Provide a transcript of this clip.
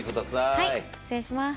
はい失礼します。